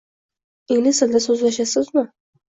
Ingliz tilida so'zlashasizmi?